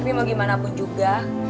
tapi mau gimana pun juga